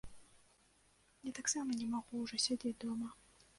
Я таксама не магу ўжо сядзець дома.